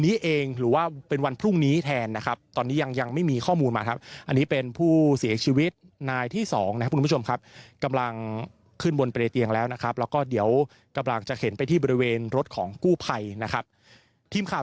ที่สองนะครับคุณผู้ชมครับกำลังขึ้นบนเปรตเตียงแล้วนะครับแล้วก็เดี๋ยวกำลังจะเข็นไปที่บริเวณรถของกู้ไภนะครับทีมข่าว